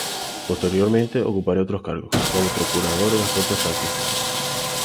Posteriormente ocuparía otros cargos, como procurador en las Cortes franquistas.